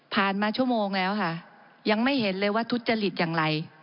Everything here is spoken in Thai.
มาชั่วโมงแล้วค่ะยังไม่เห็นเลยว่าทุจริตอย่างไร